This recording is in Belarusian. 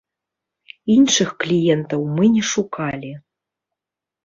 Іншых кліентаў мы не шукалі.